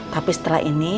tapi setelah ini